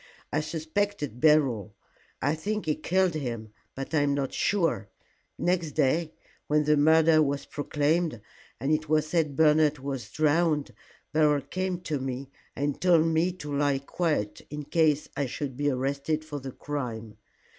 "I suspected Beryl. I think he killed him, but I am not sure. Next day, when the murder was proclaimed, and it was said Bernard was drowned, Beryl came to me, and told me to lie quiet in case I should be arrested for the crime.